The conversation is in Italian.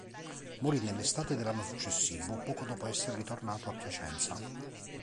Morì nell'estate dell'anno successivo, poco dopo essere ritornato a Piacenza.